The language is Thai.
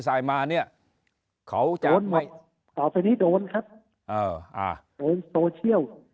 สหายมาเนี่ยเขาจากไปตอนนี้โดยอะอะโอ้โย